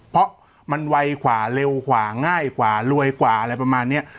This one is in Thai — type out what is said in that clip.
เพราะมันไวกว่าเร็วกว่าง่ายกว่ารวยกว่าอะไรประมาณนี้